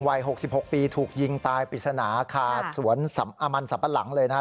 วัย๖๖ปีถูกยิงตายปริศนาขาดสวนมันสัมปะหลังเลยนะครับ